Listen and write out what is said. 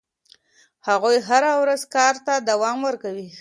هغوی هره ورځ کار ته دوام ورکوي.